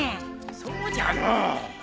そうじゃのう。